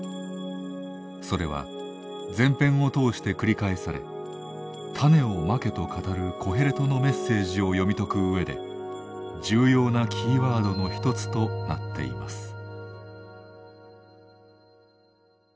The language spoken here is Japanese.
それは全編を通して繰り返され「種を蒔け」と語るコヘレトのメッセージを読み解くうえで重要なキーワードの一つとなっています。